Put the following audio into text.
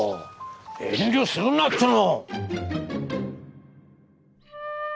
遠慮するなっての！